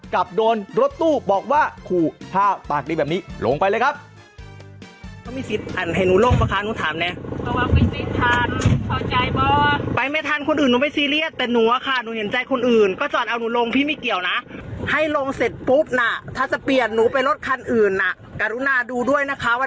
กลับโดนรถตู้บอกว่าขู่ถ้าปากดีแบบนี้ลงไปเลยครับ